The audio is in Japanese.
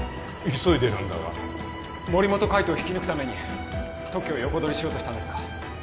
急いでるんだが森本海斗を引き抜くために特許を横取りしようとしたんですか？